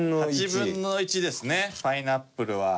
８分の１ですねパイナップルは。